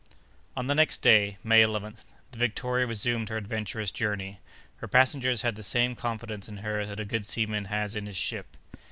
On the next day, May 11th, the Victoria resumed her adventurous journey. Her passengers had the same confidence in her that a good seaman has in his ship.